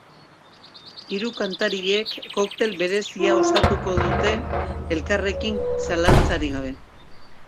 Hiru kantariek koktel berezia osatuko dute elkarriekin, zalantzarik gabe.